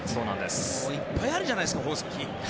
いっぱいあるじゃないですか宝石。